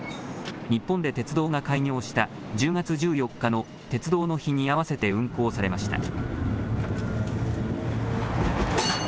日本で鉄道が開業した１０月１４日の鉄道の日に合わせて運行されました。